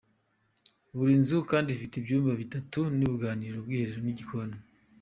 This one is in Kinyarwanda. Buri nzu kandi ifite ibyumba bitatu n’uruganiriro, ubwiherero n’igikoni.